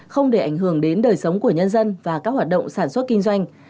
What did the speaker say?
không để ảnh hưởng đến đời sống của nhân dân và các hoạt động sản xuất kinh doanh